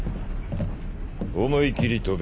思い切り跳べ。